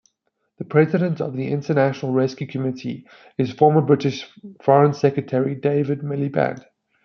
The President of the International Rescue Committee is former British Foreign Secretary David Miliband.